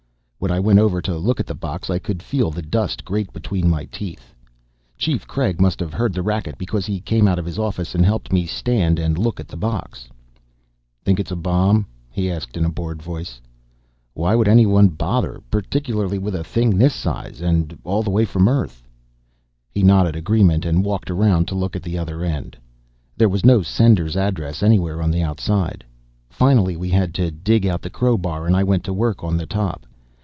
When I went over to look at the box I could feel the dust grate between my teeth. Chief Craig must have heard the racket because he came out of his office and helped me stand and look at the box. "Think it's a bomb?" he asked in a bored voice. "Why would anyone bother particularly with a thing this size? And all the way from earth." He nodded agreement and walked around to look at the other end. There was no sender's address anywhere on the outside. Finally we had to dig out the crowbar and I went to work on the top.